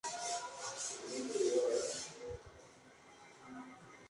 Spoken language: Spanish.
Ordenado de sacerdote, se dedicó al ministerio de la predicación.